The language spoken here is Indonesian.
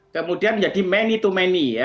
kemudian menjadi many to many ya